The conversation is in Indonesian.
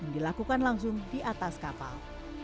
dilakukan langsung di atas kapal